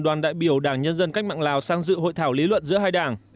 đoàn đại biểu đảng nhân dân cách mạng lào sang dự hội thảo lý luận giữa hai đảng